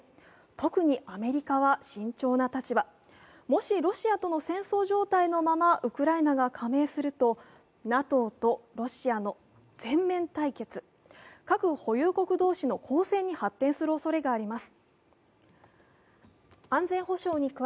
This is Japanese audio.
特にアメリカは慎重な立場、もし、ロシアとの戦争状態のままウクライナが加盟するとＮＡＴＯとロシアの全面対決、核保有国同士の交戦に発展するおそれがあります。